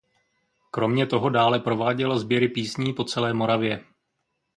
Kromě toho dále prováděla sběry písní po celé Moravě.